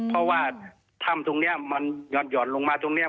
เพราะว่าถ้ำตรงนี้มันหย่อนลงมาตรงนี้